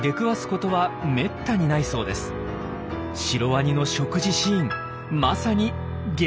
シロワニの食事シーンまさに激